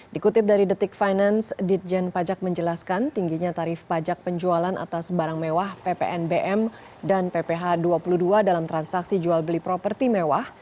dikutip dari detik finance ditjen pajak menjelaskan tingginya tarif pajak penjualan atas barang mewah ppnbm dan pph dua puluh dua dalam transaksi jual beli properti mewah